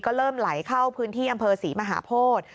ก็เริ่มไหลเข้าพื้นที่อำเภอศรีมหาโพธิ